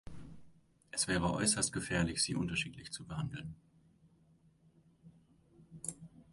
Es wäre äußerst gefährlich, sie unterschiedlich zu behandeln.